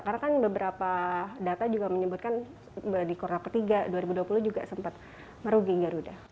karena kan beberapa data juga menyebutkan di corona ketiga dua ribu dua puluh juga sempat merugi garuda